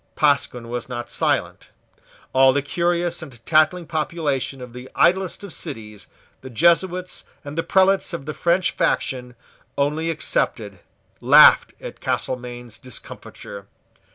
Pasquin was not silent. All the curious and tattling population of the idlest of cities, the Jesuits and the prelates of the French faction only excepted, laughed at Castelmaine's discomfiture.